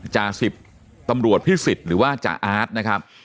จาศิพท์ตำรวจพิสิทฆ์หรือว่าจาอาสนะครับ